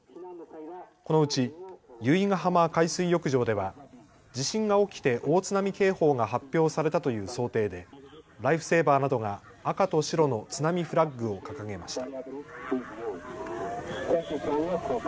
このうち由比ガ浜海水浴場では地震が起きて大津波警報が発表されたという想定でライフセーバーなどが赤と白の津波フラッグを掲げました。